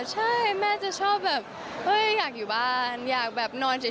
ใช่แม่จะชอบแบบเฮ้ยอยากอยู่บ้านอยากแบบนอนเฉย